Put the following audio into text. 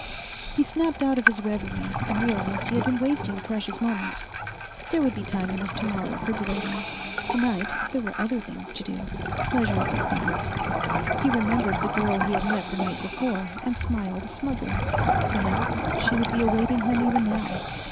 He snapped out of his reverie and realized he had been wasting precious moments. There would be time enough tomorrow for gloating. Tonight, there were other things to do. Pleasurable things. He remembered the girl he had met the night before, and smiled smugly. Perhaps she would be awaiting him even now.